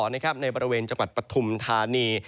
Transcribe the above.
ในบริเวณจังหวัดปฐุมธานี